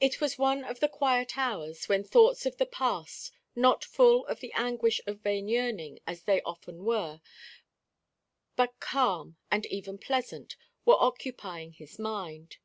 It was one of the quiet hours, when thoughts of the past, not full of the anguish of vain yearning, as they often were, but calm and even pleasant, were occupying his mind.